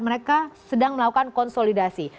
mereka sedang melakukan konsolidasi